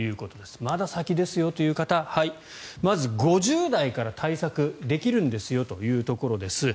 まだ先ですよという方まず５０代から対策できるんですよというところです。